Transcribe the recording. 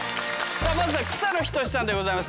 まずは草野仁さんでございます。